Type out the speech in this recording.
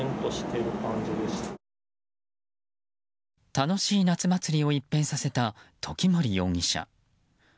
楽しい夏祭りを一変させた時森容疑者。